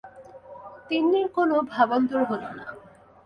তিন্নির কোনো ভাবান্তর হল না।